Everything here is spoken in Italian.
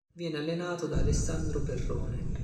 Viene allenato da Alessandro Perrone.